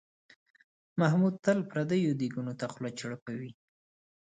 محمود تل پردیو دیګونو ته خوله چړپوي.